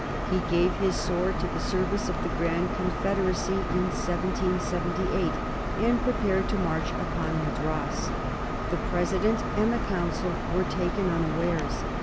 He gave his sword to the service of the Grand Confederacy in 1778 and prepared to march upon Madras. The President and the Council were taken unawares.